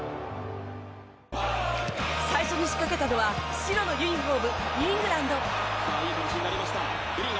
最初に仕掛けたのは白のユニホーム、イングランド。